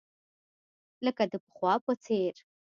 لکه د پخوا په څېر.